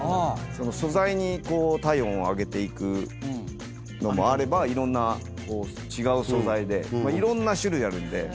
素材に体温を上げていくのもあればいろんな違う素材でまあいろんな種類あるんで。